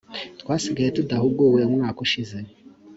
twasigaye tudahuguwe umwaka ushize